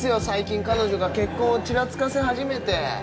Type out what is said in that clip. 最近彼女が結婚をちらつかせ始めて。